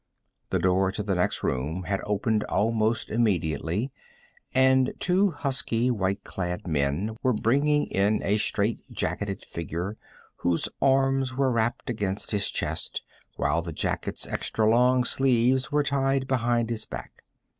The door to the next room had opened almost immediately, and two husky, white clad men were bringing in a strait jacketed figure whose arms were wrapped against his chest, while the jacket's extra long sleeves were tied behind his back.